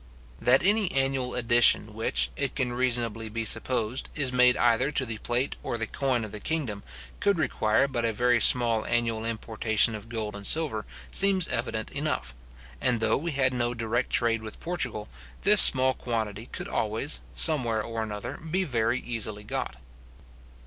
That any annual addition which, it can reasonably be supposed, is made either to the plate or to the coin of the kingdom, could require but a very small annual importation of gold and silver, seems evident enough; and though we had no direct trade with Portugal, this small quantity could always, somewhere or another, be very easily got.